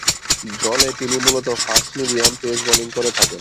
দলে তিনি মূলতঃ ফাস্ট-মিডিয়াম পেস বোলিং করে থাকেন।